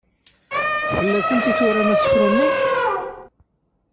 Fell-asent i turam asefru-nni?